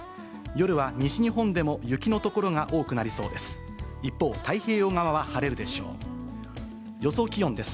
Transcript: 夜は西日本でも雪の所が多くなりそうです。